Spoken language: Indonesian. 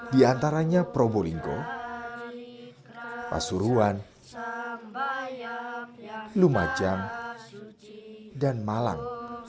di antaranya probolinggo pasuruan lumajang dan malang